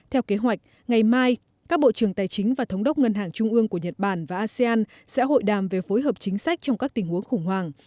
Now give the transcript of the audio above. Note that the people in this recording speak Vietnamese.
theo kế hoạch ngày mai các bộ trưởng tài chính và thống đốc ngân hàng trung ương của nhật bản và asean sẽ hội đàm về phối hợp chính sách trong các tình huống khủng hoảng